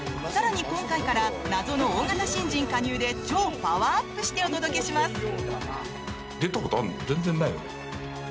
更に今回から謎の大型新人加入で超パワーアップしてお届けします！